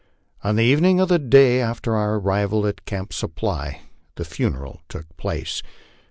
On the evening of the day after our arrival at Camp Sup ply the funeral took place.